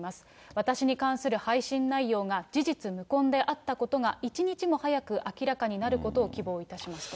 私に関する配信内容が事実無根であったことが、一日も早く明らかになることを希望いたしますと。